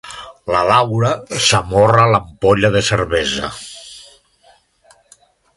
La Laura s'amorra a l'ampolla de cervesa.